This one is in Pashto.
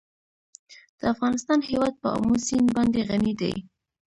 د افغانستان هیواد په آمو سیند باندې غني دی.